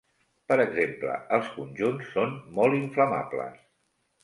Per exemple, els conjunts són molt inflamables.